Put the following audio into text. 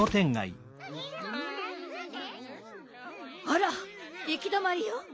あらいきどまりよ。